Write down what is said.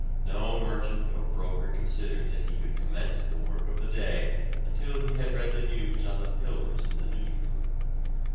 No merchant or broker considered that he could commence the work of the day until he had read the news on the "pillars" in the newsroom.